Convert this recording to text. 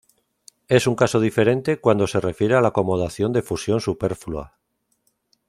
Es un caso diferente cuando se refiere a la acomodación de fusión superflua".